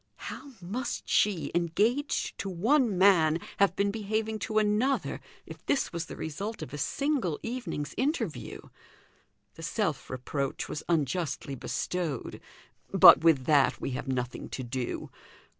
How must she, engaged to one man, have been behaving to another, if this was the result of a single evening's interview? The self reproach was unjustly bestowed; but with that we have nothing to do.